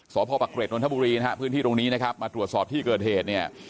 สพปะเกร็ดนนทบุรีนะฮะพื้นที่ตรงนี้นะครับมาตรวจสอบที่เกิดเหตุเนี่ย